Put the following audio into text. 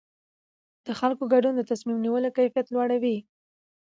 د خلکو ګډون د تصمیم نیولو کیفیت لوړوي